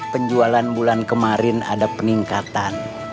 penjualan bulan kemarin ada peningkatan